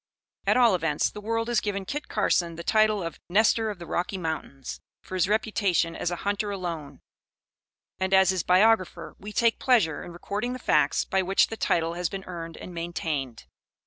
At all events, the world has given Kit Carson the title of "Nestor of the Rocky Mountains," for his reputation as a hunter alone; and as his biographer, we take pleasure in recording the facts by which the title has been earned and maintained.